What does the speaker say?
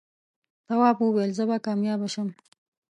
تواب وويل: زه به کامیابه شم.